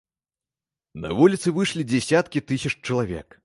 На вуліцы выйшлі дзясяткі тысяч чалавек.